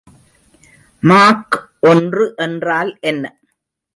Mach ஒன்று என்றால் என்ன?